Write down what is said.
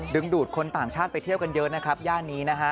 ดูดคนต่างชาติไปเที่ยวกันเยอะนะครับย่านนี้นะฮะ